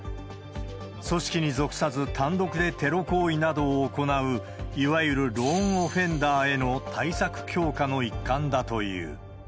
組織に属さず単独でテロ行為などを行う、いわゆるローンオフェンダーへの対策強化の一環だという。